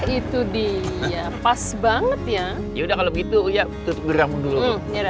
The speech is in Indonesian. itu dia pas banget ya yaudah kalau gitu ya tutup geram dulu